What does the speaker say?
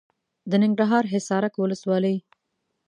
د ننګرهار حصارک ولسوالي .